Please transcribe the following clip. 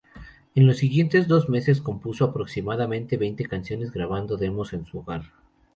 En los siguientes dos meses compuso aproximadamente veinte canciones, grabando demos en su hogar.